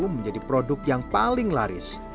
menjadi produk yang paling laris